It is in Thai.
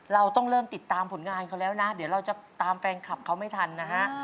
เราต้องเริ่มติดตามผลงานเขาแล้วนะเดี๋ยวเราจะตามแฟนคลับเขาไม่ทันนะฮะ